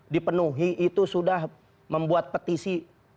dipenuhi itu sudah membuat petisi